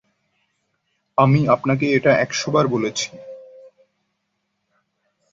আমি আপনাকে এটা একশবার বলেছি।